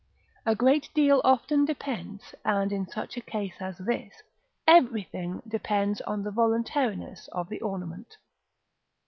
A great deal often depends, and in such a case as this, everything depends, on the Voluntariness of the ornament.